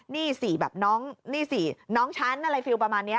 นี่สิแบบน้องชั้นอะไรฟีวแบบนี้